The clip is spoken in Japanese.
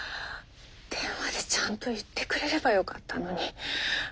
電話でちゃんと言ってくれればよかったのに。